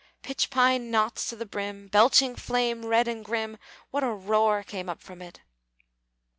Pitch pine knots to the brim, Belching flame red and grim, What a roar came up from it!